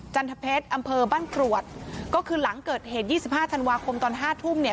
จันทเพชรอำเภอบ้านกรวดก็คือหลังเกิดเหตุ๒๕ธันวาคมตอนห้าทุ่มเนี่ย